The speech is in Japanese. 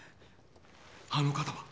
あの方は？